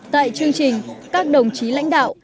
tại chương trình các đồng chí lãnh đạo